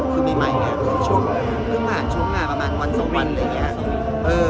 คือมีใหม่งานคือช่วงเพิ่งผ่านช่วงงานประมาณวันสองวันอะไรอย่างเงี้ย